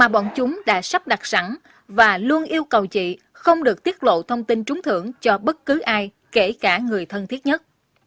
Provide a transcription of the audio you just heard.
bọn chúng đã sắp đặt sẵn và luôn yêu cầu chị không được tiết lộ thông tin trúng thưởng cho bất cứ ai kể cả người thân thiết nhất